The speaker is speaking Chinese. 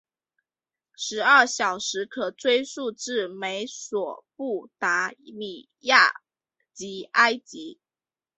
十二小时制可追溯至美索不达米亚及埃及。